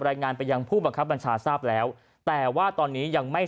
รายงานไปยังผู้บังคับบัญชาทราบแล้วแต่ว่าตอนนี้ยังไม่